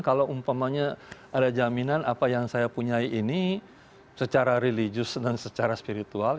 kalau umpamanya ada jaminan apa yang saya punya ini secara religius dan secara spiritual